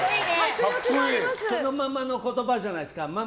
そのままの言葉じゃないですか。